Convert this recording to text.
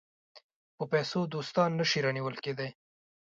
په پیسو دوستان نه شي رانیول کېدای.